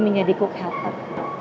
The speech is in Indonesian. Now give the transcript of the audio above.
menjadi cook helper